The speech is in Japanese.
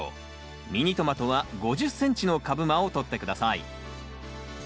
ミニトマトは５０ｃｍの株間をとって下さい。